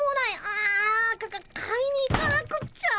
あかっ買いに行かなくっちゃ。